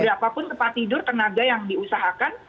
berapapun tempat tidur tenaga yang diusahakan